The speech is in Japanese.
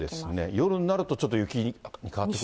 夜になると、ちょっと雪に変わってくる。